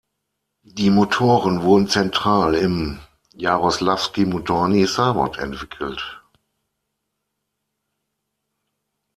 Die Motoren wurden zentral im Jaroslawski Motorny Sawod entwickelt.